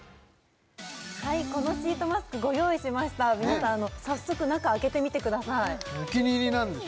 はいこのシートマスクご用意しました皆さん早速中開けてみてくださいお気に入りなんでしょ？